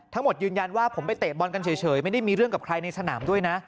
ยืนยันว่าผมไปเตะบอลกันเฉยไม่ได้มีเรื่องกับใครในสนามด้วยนะ